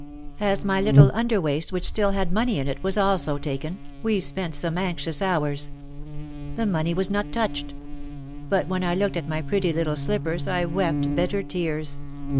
As my little under waist, which still had some money in it, was also taken, 62 OUT OF THE SHADOW we spent some anxious hours. The money was not touched. But when I looked at my pretty little slippers I wept bitter tears.